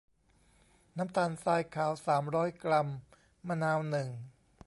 น้ำตาลทรายขาว สามร้อย กรัม มะนาว หนึ่ง